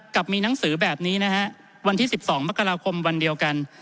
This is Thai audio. กับมีหนังสือแบบนี้นะฮะวันที่๑๒มกราคมวันเดียวกัน